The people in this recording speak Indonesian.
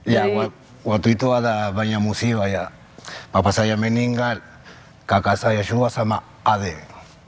ya waktu itu ada banyak musibah ya papa saya meninggal kakak saya juga sama adik